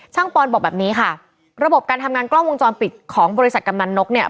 ปอนบอกแบบนี้ค่ะระบบการทำงานกล้องวงจรปิดของบริษัทกำนันนกเนี่ย